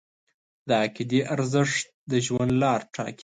د عقیدې ارزښت د ژوند لار ټاکي.